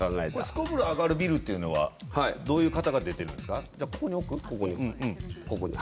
「すこぶるアガるビル」というのはどういう方が出ているんですか？